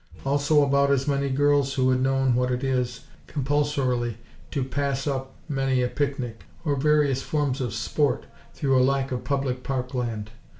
Also about as many girls who had known what it is, compulsorily to pass up many a picnic, or various forms of sport, through a lack of public park land.